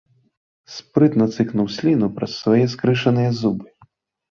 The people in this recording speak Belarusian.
Спрытна цыкнуў сліну праз свае скрышаныя зубы.